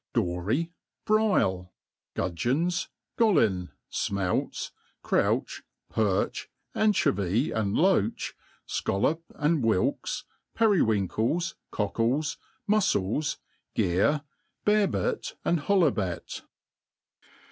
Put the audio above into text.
~ DOREY, brile^ gudgeons, gollin, fmelts, crouch, per6h, anchovy ^and loach, fcollop ' and wilks, periwinkles, cockles, inufcles,v geare, bearbet and hollebet.